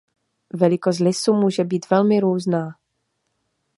Velikost lisu může být velmi různá.